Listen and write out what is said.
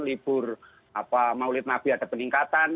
libur maulid nabi ada peningkatan